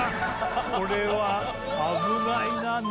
これは危ないな中。